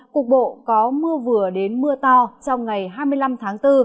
cục bộ có mưa vừa đến mưa to trong ngày hai mươi năm tháng bốn